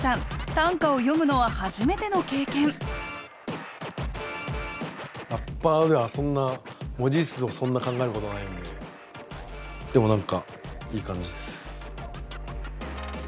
短歌を詠むのは初めての経験ラッパーではそんな文字数をそんな考えることがないんででも何かいい感じっす。